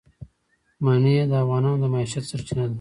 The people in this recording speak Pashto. منی د افغانانو د معیشت سرچینه ده.